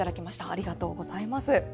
ありがとうございます。